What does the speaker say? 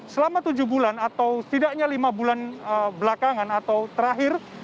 selama tujuh bulan atau setidaknya lima bulan belakangan atau terakhir